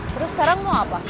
terus sekarang mau apa